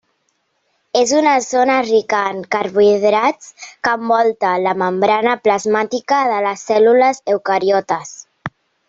És una zona rica en carbohidrats que envolta la membrana plasmàtica de les cèl·lules eucariotes.